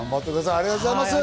ありがとうございます。